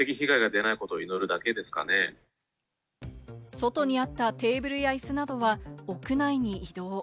外にあったテーブルやイスなどは屋内に移動。